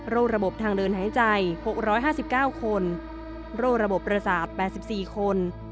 ระบบทางเดินหายใจ๖๕๙คนโรคระบบประสาท๘๔คน